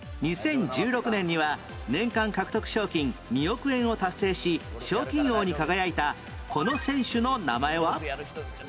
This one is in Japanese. ２０１６年には年間獲得賞金２億円を達成し賞金王に輝いたこの選手の名前は？